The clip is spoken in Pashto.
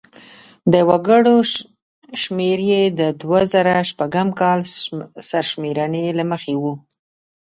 د وګړو شمېر یې په دوه زره شپږم کال سرشمېرنې له مخې و.